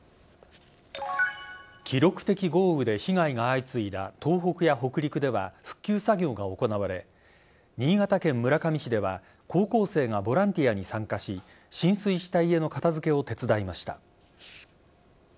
記録的豪雨で被害が相次いだ東北や北陸では復旧作業が行われ新潟県村上市では高校生がボランティアに参加し浸水した家の片付けを手伝いました。